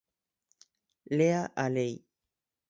Lea a lei.